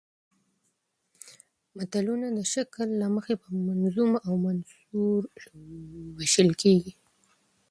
متلونه د شکل له مخې په منظوم او منثور ویشل کېږي